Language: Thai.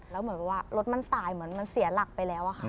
แล้วเหมือนกับว่ารถมันสายเหมือนมันเสียหลักไปแล้วอะค่ะ